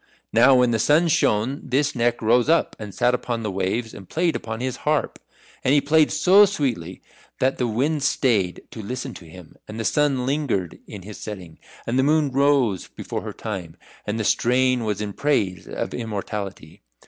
Now when the sun shone this Neck rose up and sat upon the waves and played upon his harp. And he played so sweetly that the winds stayed to listen to him, and the sun lingered in his setting, and the moon rose before her time. And the strain was in praise of immortality.